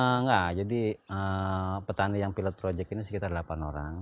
enggak jadi petani yang pilot project ini sekitar delapan orang